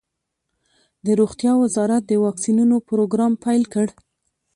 د روغتیا وزارت د واکسینونو پروګرام پیل کړ.